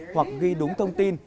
hoặc ghi đúng thông tin